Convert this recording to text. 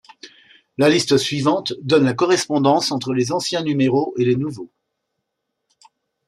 La liste suivante donne la correspondance entre les anciens numéros et les nouveaux.